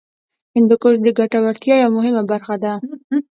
هندوکش د ګټورتیا یوه مهمه برخه ده.